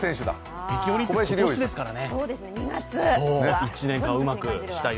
北京オリンピック、今年ですからね。